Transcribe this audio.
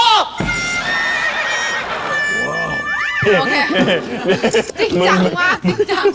โอเคจริงจังมากจริงจัง